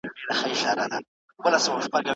که څېړونکی رښتینی وي خلک به یې پر خبرو باور وکړي.